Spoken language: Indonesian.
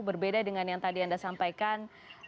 berbeda dengan yang tadi anda sampaikan